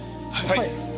はい。